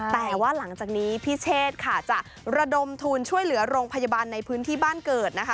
แต่ว่าหลังจากนี้พี่เชษค่ะจะระดมทุนช่วยเหลือโรงพยาบาลในพื้นที่บ้านเกิดนะคะ